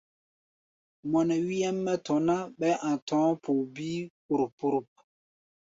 Mɔ nɛ wí nyɛ́m mɛ́ tɔ̧ ná, ɓɛɛ́ a̧ tɔ̧ɔ̧́ poo bíí póróp-póróp.